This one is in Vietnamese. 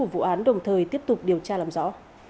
vụ án đồng thời tiếp tục điều tra làm rõ